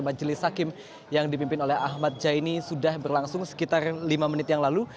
majelis hakim yang dipimpin oleh ahmad jaini sudah berlangsung sekitar lima menit yang lalu